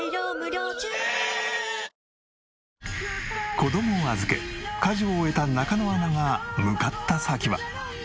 子どもを預け家事を終えた中野アナが向かった先は。